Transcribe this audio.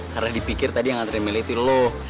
karena dipikir tadi yang nganterin melik itu lo